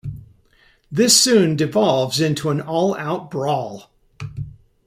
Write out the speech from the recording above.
This soon devolves into an all-out brawl.